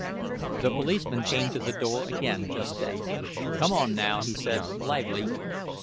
The policeman came to the door again just then. "Come on, now," he said. "Lively!"